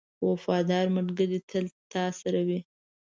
• وفادار ملګری تل تا سره وي.